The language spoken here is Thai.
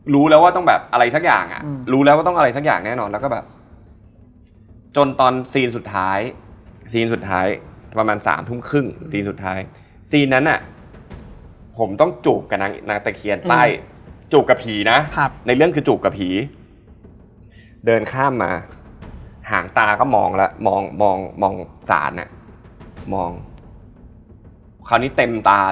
รู้แล้วว่าต้องแบบอะไรสักอย่างอ่ะรู้แล้วว่าต้องอะไรสักอย่างแน่นอนแล้วก็แบบจนตอนซีนสุดท้ายซีนสุดท้ายประมาณสามทุ่มครึ่งซีนสุดท้ายซีนนั้นน่ะผมต้องจูบกับนางตะเคียนใต้จูบกับผีนะในเรื่องคือจูบกับผีเดินข้ามมาหางตาก็มองแล้วมองมองศาลอ่ะมองคราวนี้เต็มตา